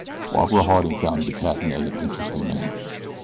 Barbara Harding found De Cadenet an interesting man.